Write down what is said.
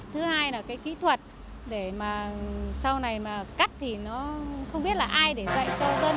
thứ hai là cái kỹ thuật để mà sau này mà cắt thì nó không biết là ai để dạy cho dân